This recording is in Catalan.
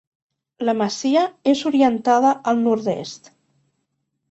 La masia és orientada al Nord-est.